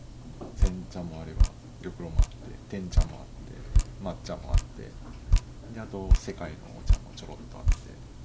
煎茶もあれば玉露もあって碾茶もあって抹茶もあってあと世界のお茶もちょろっとあって。